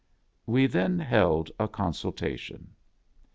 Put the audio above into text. We then held a consultation.